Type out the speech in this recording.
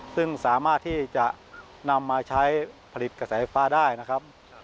ซึ่งสามารถที่จะนำมาใช้ผลิตกระแสไฟฟ้าได้นะครับ